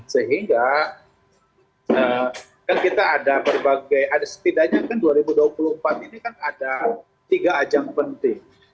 sehingga kan kita ada berbagai ada setidaknya kan dua ribu dua puluh empat ini kan ada tiga ajang penting